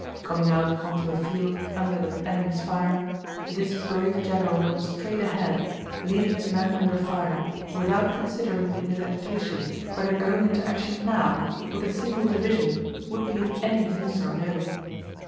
Coming out onto a field under the enemy's fire, this brave general went straight ahead, leading his men under fire, without considering in his agitation whether going into action now, with a single division, would be of any use or no.